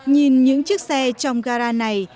nhìn những chiếc xe trong gara này